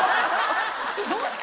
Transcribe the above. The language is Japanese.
どうして？